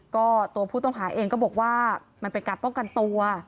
ก็ตัวผู้ต้องหาเองก็บอกว่ามันเป็นการป้องกันตัว